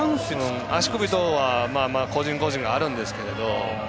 足首等は個人個人あるんですけど。